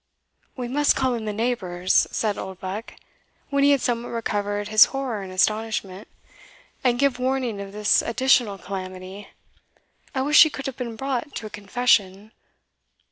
"We must call in the neighbours," said Oldbuck, when he had somewhat recovered his horror and astonishment, "and give warning of this additional calamity. I wish she could have been brought to a confession.